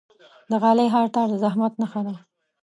د غالۍ هر تار د زحمت نخښه ده.